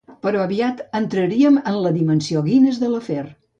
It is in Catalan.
Però aviat entraríem en la dimensió Guinness de l'afer.